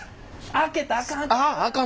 開けたらあかん。